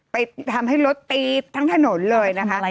ไปทำให้รถตีทั้งถนนเลยนะคะ